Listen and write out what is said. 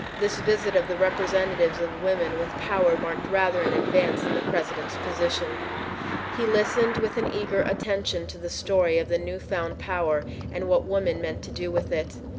This visit of the representatives of women with power marked rather an advance in the President's position. He listened with an eager attention to the story of the new found power and what women meant to do with it.